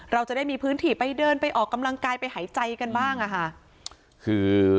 เราจะได้มีพื้นที่ไปเดินไปออกกำลังกายไปหายใจกันบ้างอะค่ะคือ